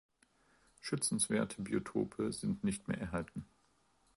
Schützenswerte Biotope sind nicht mehr erhalten.